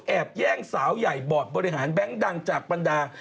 แย่งสาวใหญ่บอร์ดบริหารแบงค์ดังจากบรรดา